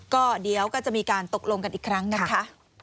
ก็เดี๋ยวก็จะมีการตกลงกันอีกครั้งนะคะ